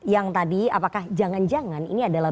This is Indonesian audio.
yang tadi apakah jangan jangan ini adalah